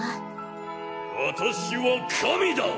私は神だ。